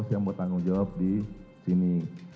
yang bertanggung jawab di sini